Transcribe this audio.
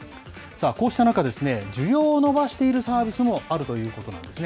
こうした中、需要を伸ばしているサービスもあるということなんですね。